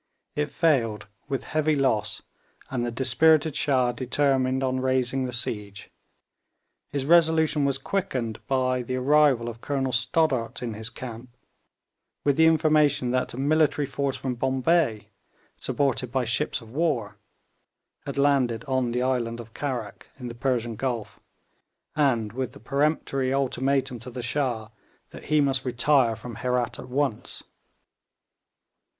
It failed, with heavy loss, and the dispirited Shah determined on raising the siege. His resolution was quickened by the arrival of Colonel Stoddart in his camp, with the information that a military force from Bombay, supported by ships of war, had landed on the island of Karrack in the Persian Gulf, and with the peremptory ultimatum to the Shah that he must retire from Herat at once.